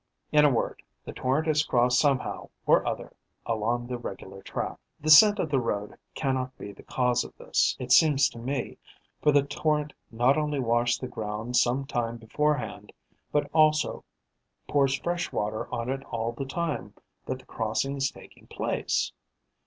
In a word, the torrent is crossed somehow or other along the regular track. The scent of the road cannot be the cause of this, it seems to me, for the torrent not only washed the ground some time beforehand but also pours fresh water on it all the time that the crossing is taking place.